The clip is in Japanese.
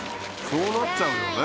そうなっちゃうよね。